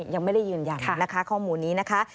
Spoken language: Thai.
ยังไม่ได้ยืนยันนะคะข้อมูลนี้นะคะ